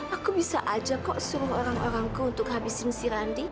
aku bisa aja kok suruh orang orangku untuk habisin si randi